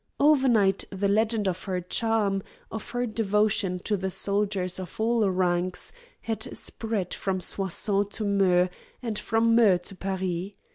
Overnight the legend of her charm, of her devotion to the soldiers of all ranks, had spread from Soissons to Meaux, and from Meaux to Paris.